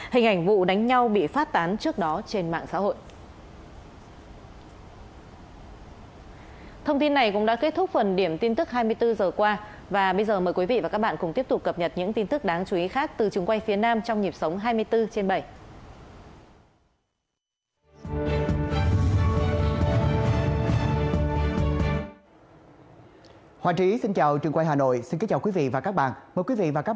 hình ảnh vụ đánh nhau bị phát tán trước đó trên mạng xã hội